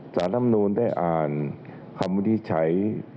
สารรัฐมนุนได้อ่านคำวินิจฉัย